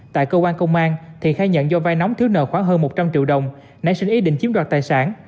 tại cơ quan công an thiện khai nhận do vai nóng thiếu nợ khoảng hơn một trăm linh triệu đồng nảy sinh ý định chiếm đoạt tài sản